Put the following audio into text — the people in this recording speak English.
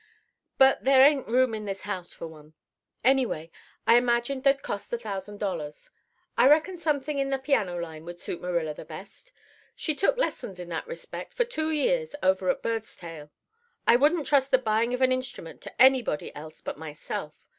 But there ain't room in this house for one. Anyway, I imagine they'd cost a thousand dollars. I reckon something in the piano line would suit Marilla the best. She took lessons in that respect for two years over at Birdstail. I wouldn't trust the buying of an instrument to anybody else but myself.